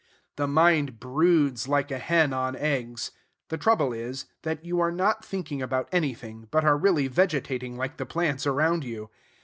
The mind broods like a hen on eggs. The trouble is, that you are not thinking about anything, but are really vegetating like the plants around you.